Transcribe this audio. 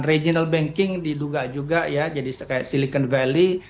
regional banking diduga juga ya jadi kayak silicon valley